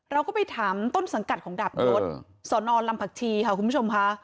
เราก็ไปถามต้นสังกัดของดาบยศสนลำผักชีค่ะคุณผู้ชมค่ะ